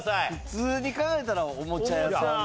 普通に考えたらおもちゃ屋さんじゃない？